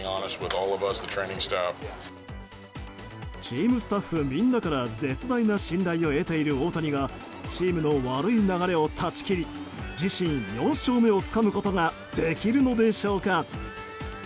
チームスタッフみんなから絶大な信頼を得ている大谷がチームの悪い流れを断ち切り自身４勝目をつかむことができるのでしょうか。